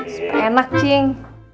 supaya enak cing